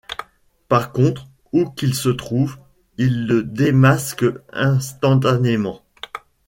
Par contre, où qu'il se trouve, il le démasque instantanément...